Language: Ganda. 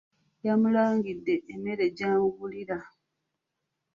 Yamulangidde emmere gy'amugulra.